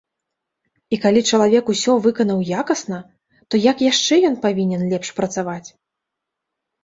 І, калі чалавек усё выканаў якасна, то як яшчэ ён павінен лепш працаваць?